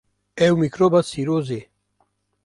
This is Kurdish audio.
Ew mîkroba sîrozê.